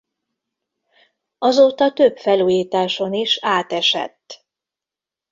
Azóta több felújításon is átesett.